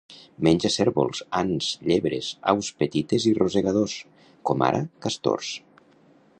Menja cérvols, ants, llebres, aus petites i rosegadors, com ara castors.